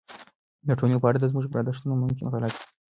د ټولنې په اړه زموږ برداشتونه ممکن غلط وي.